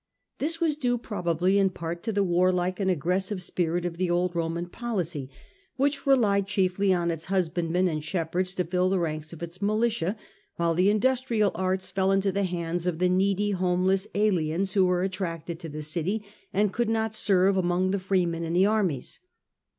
This was due probably in part to the warlike and aggressive spirit of the old Roman policy, which relied chiefly on its husbandmen and shepherds to fill the ranks of its militia, due to the while the industrial arts fell into the hands of ^hich the needy homeless aliens who were attracted fostered, to the city and could not serve among the freemen in the armies.